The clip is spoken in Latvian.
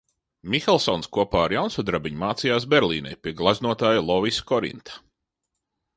Mihelsons kopā ar Jaunsudrabiņu mācījās Berlīnē pie gleznotāja Lovisa Korinta.